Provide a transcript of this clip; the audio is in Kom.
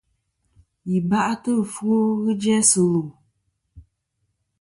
Yi ba'tɨ ɨfwo ghɨ jæsɨ lu.